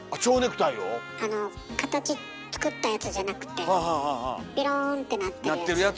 形作ったやつじゃなくてピローンってなってるやつ。